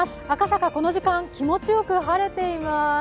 赤坂、この時間、気持ちよく晴れています。